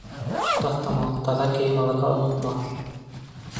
Таҫтамал, таҙа кейем алырға онотмағыҙ.